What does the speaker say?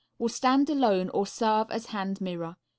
Will stand alone or serve as hand mirror.